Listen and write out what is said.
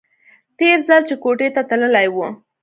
تېر ځل چې کوټې ته تللى و.